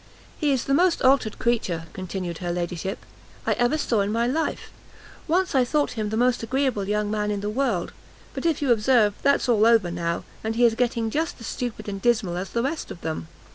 "He is the most altered creature," continued her ladyship, "I ever saw in my life. Once I thought him the most agreeable young man in the world; but if you observe, that's all over now, and he is getting just as stupid and dismal as the rest of them.